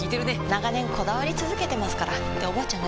長年こだわり続けてますからっておばあちゃん